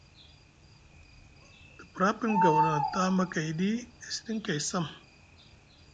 Te pra piŋ gawla na tamakayɗi e siɗiŋ kay sam.